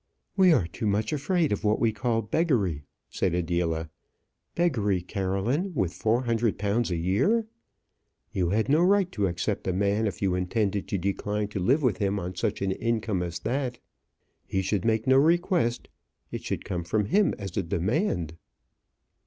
"We are too much afraid of what we call beggary," said Adela. "Beggary, Caroline, with four hundred pounds a year! You had no right to accept a man if you intended to decline to live with him on such an income as that. He should make no request; it should come from him as a demand."